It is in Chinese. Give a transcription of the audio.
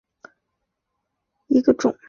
台湾瑞香为瑞香科瑞香属下的一个种。